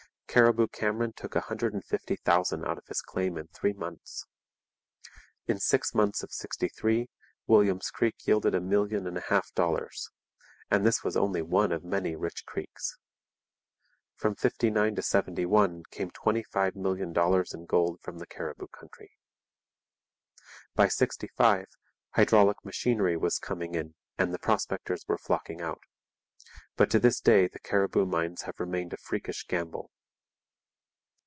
Cariboo Cameron took a hundred and fifty thousand out of his claim in three months. In six months of '63 William's Creek yielded a million and a half dollars, and this was only one of many rich creeks. From '59 to '71 came twenty five million dollars in gold from the Cariboo country. By '65 hydraulic machinery was coming in and the prospectors were flocking out; but to this day the Cariboo mines have remained a freakish gamble.